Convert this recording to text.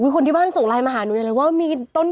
คนที่บ้านส่งไลน์มาหาหนูเลยว่ามีต้นกุหลาบ